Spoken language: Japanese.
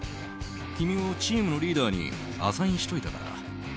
君をチームのリーダーにアサインしておいたから。